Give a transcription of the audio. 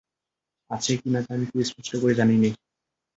আছে কি না তা আমি খুব স্পষ্ট করে জানি নে।